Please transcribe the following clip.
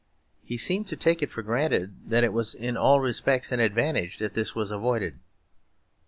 He seems to take it for granted that it was in all respects an advantage that this was avoided.